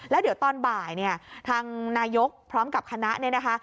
และเดี๋ยวตอนบ่ายทางนายกพร้อมกับคณะ